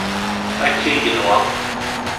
Akka i yenwa.